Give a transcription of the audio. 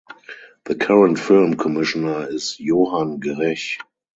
The current film commissioner is Johann Grech.